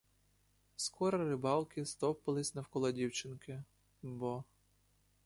Скоро рибалки стовпились навколо дівчинки, бо.